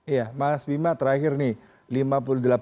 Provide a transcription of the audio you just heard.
iya mas bima terakhir nih